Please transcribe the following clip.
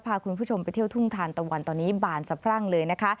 พาคุณผู้ชมไปเที่ยวทุ่งทานตะวันตอนนี้บานสะพรั่งเลยนะคะ